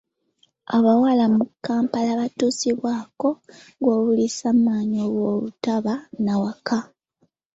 Abawala mu Kampala baatuusibwako ogw'obuliisamaanyi olw'obutaba na waka.